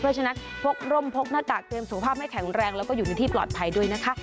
เพราะฉะนั้นพกร่มพกหน้ากากเตรียมสุขภาพให้แข็งแรงแล้วก็อยู่ในที่ปลอดภัยด้วยนะคะ